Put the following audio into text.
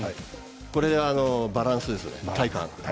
これがバランスです体幹。